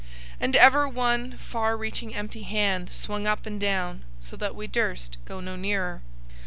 And ever one far reaching empty hand swung up and down so that we durst go no nearer.